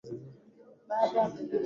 Sema usikike.